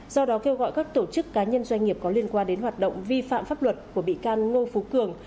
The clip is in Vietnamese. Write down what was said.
do đó kêu gọi các tổ chức cá nhân doanh nghiệp có liên quan đến hoạt động vi phạm pháp luật của bị can ngô phú cường